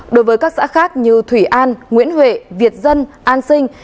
đối với các xã khác như thủy an nguyễn huệ việt dân an sinh